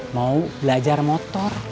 mau belajar motor